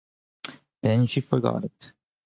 Then she forgot it.